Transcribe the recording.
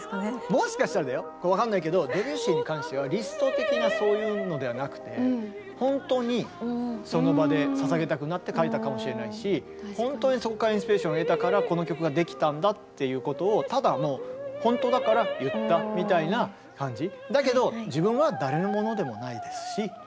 もしかしたらだよ分かんないけどドビュッシーに関してはリスト的なそういうのではなくて本当にその場でささげたくなって書いたかもしれないし本当にそこからインスピレーションを得たからこの曲ができたんだっていうことをただもう本当だから言ったみたいな感じ。